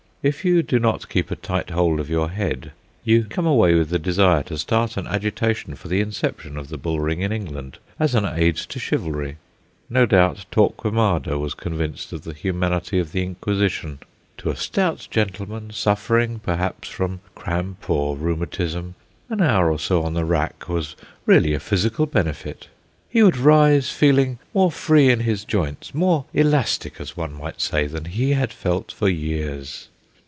If you do not keep a tight hold of your head, you come away with the desire to start an agitation for the inception of the bull ring in England as an aid to chivalry. No doubt Torquemada was convinced of the humanity of the Inquisition. To a stout gentleman, suffering, perhaps, from cramp or rheumatism, an hour or so on the rack was really a physical benefit. He would rise feeling more free in his joints more elastic, as one might say, than he had felt for years.